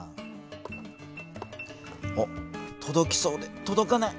おっとどきそうでとどかない。